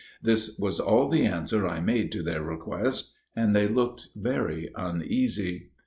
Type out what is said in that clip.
This was all the answer I made to their request, and they looked very uneasy.